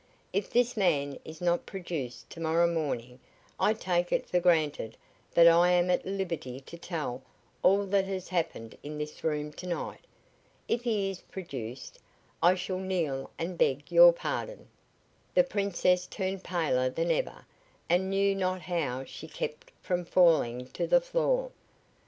If this man is not produced to morrow morning I take it for granted that I am at liberty to tell all that has happened in this room to night. If he is produced, I shall kneel and beg your pardon." The Princess turned paler than ever and knew not how she kept from falling to the floor.